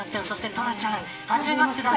トラちゃん、はじめましてだね。